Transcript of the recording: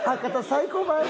最高ばい。